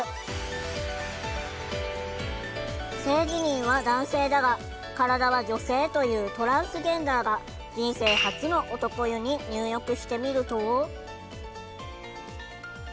性自認は男性だが体は女性というトランスジェンダーが人生初の男湯に入浴してみると。